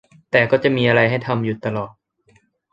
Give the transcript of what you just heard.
แต่ก็จะมีอะไรให้ทำอยู่ตลอด